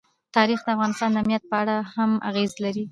تاریخ د افغانستان د امنیت په اړه هم اغېز لري.